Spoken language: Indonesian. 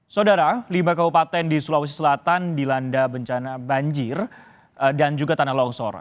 saudara lima kabupaten di sulawesi selatan dilanda bencana banjir dan juga tanah longsor